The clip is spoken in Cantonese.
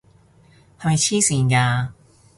係咪癡線㗎？